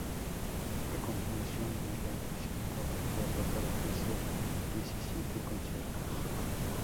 A continuación, Dylan visitó Europa para ofrecer diecisiete conciertos.